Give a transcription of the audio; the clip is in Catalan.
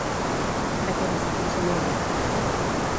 De què va ser consellera?